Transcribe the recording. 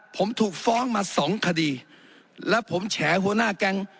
ผมถูกฟ้องมาสองคดีแล้วผมแฉหัวหน้าแก๊ง